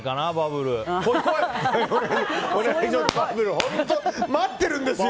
本当、待ってるんですよ。